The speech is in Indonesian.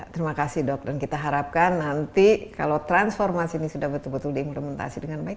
terima kasih dok dan kita harapkan nanti kalau transformasi ini sudah betul betul diimplementasi dengan baik